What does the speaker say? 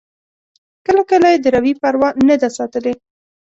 کله کله یې د روي پروا نه ده ساتلې.